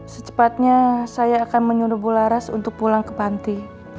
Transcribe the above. secepatnya saya akan menyuruh bu laras untuk pulang ke panti